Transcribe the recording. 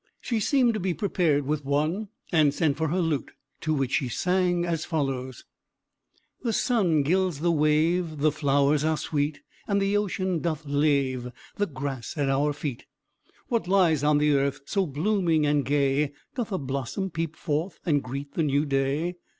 She seemed to be prepared with one, and sent for her lute, to which she sang as follows: The sun gilds the wave, The flowers are sweet, And the ocean doth lave The grass at our feet! What lies on the earth So blooming and gay? Doth a blossom peep forth And greet the new day?